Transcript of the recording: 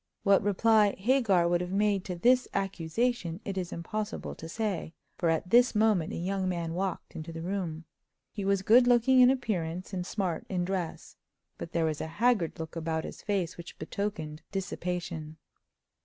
What reply Hagar would have made to this accusation it is impossible to say, for at this moment a young man walked into the room. He was good looking in appearance, and smart in dress, but there was a haggard look about his face which betokened dissipation.